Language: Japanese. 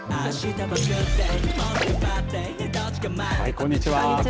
こんにちは。